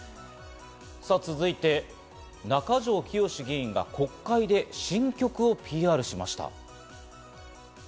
続いて、中条きよし議員が国会で新曲をＰＲしました。